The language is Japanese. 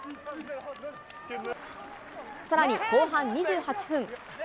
さらに後半２８分。